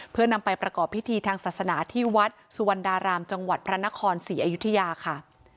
เพื่อนำไปประกอบพิธีทางศาสนาที่วัดสุวรรณดารามจังหวัดพระนครศรีอยุธยาค่ะ